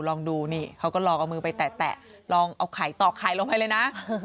ลองดูนี่เขาก็ลองเอามือไปแตะลองเอาไข่ตอกไข่ลงไปเลยนะ